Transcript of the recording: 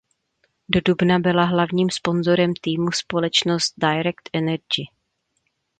Do dubna byla hlavním sponzorem týmu společnost Direct Energie.